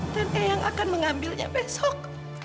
dan ayang akan mengambilnya besok